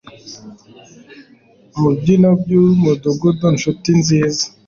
mubyino byumudugudu, nshuti nziza